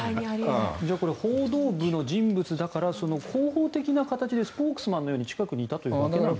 報道部の人物だから広報的な形でスポークスマンのように近くにいたということですか？